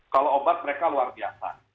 kalau obat mereka luar biasa